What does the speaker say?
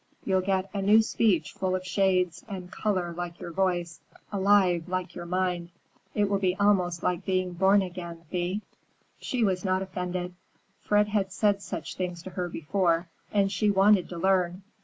You'll get a new speech full of shades and color like your voice; alive, like your mind. It will be almost like being born again, Thea." She was not offended. Fred had said such things to her before, and she wanted to learn.